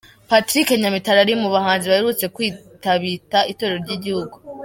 Patrick Nyamitali ari mu bahanzi baherutse kwitabita itorero ry’igihugu.